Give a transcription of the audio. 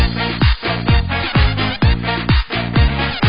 เจ้าจ้านยานวิภา